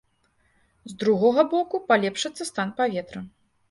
З другога боку, палепшыцца стан паветра.